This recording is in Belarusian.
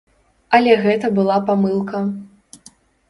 Але гэта была памылка.